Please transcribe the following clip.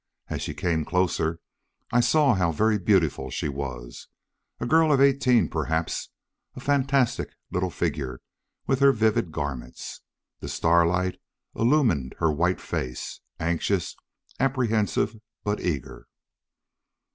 As she came closer, I saw how very beautiful she was. A girl of eighteen, perhaps, a fantastic little figure with her vivid garments. The starlight illumined her white face, anxious, apprehensive, but eager.